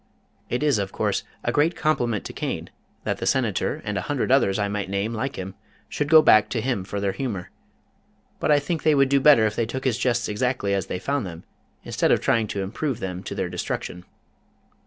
It is, of course, a great compliment to Cain that the Senator and a hundred others I might name like him should go back to him for their humor, but I think they would do better if they took his jests exactly as they found them instead of trying to improve them to their destruction.